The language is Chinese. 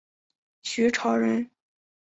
徐潮人。